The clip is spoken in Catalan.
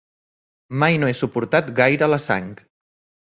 Mai no he suportat gaire la sang.